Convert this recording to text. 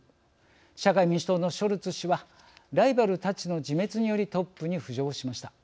社会民主党のショルツ氏はライバルたちの自滅によりトップに浮上しました。